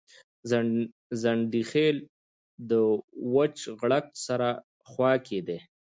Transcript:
ځنډيخيل دوچ غړک سره خواکی دي